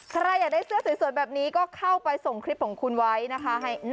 ใครอยากได้เสื้อสวยแบบนี้ก็เข้าไปส่งคลิปของคุณไว้นะคะ